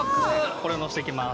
これをのせていきます